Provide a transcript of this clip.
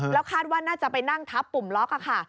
แล้วคาดว่าน่าจะไปนั่งทับปุ่มล็อกค่ะ